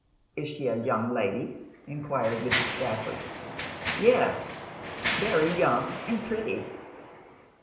'Is she a young lady?' enquired Mrs. Stafford. 'Yes, very young and pretty.'